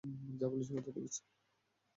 যা বলছি মাথায় ঢুকেছে?